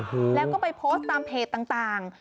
แล้วก็ไปโพสต์ตามเพจต่าง